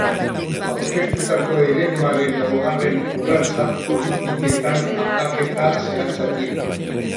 Aurkeztutako ereduaren laugarren urratsa politiketan aldaketa zehatzak dira.